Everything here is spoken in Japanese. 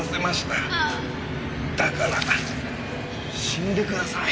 だから死んでください。